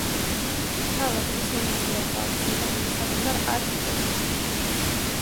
თავად ლის მონაწილეობა აქვს მიღებული საკუთარ ათ ფილმში.